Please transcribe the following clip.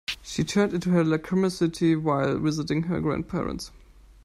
She turned into her lachrymosity while visiting her grandparents.